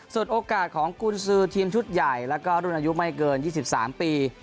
ส่วนโอกาสของกุญสือทีมชุดใหญ่แล้วก็รุ่นอายุไม่เกิน๒๓ปี